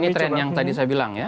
ini tren yang tadi saya bilang ya